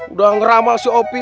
udah ngeramal si ovi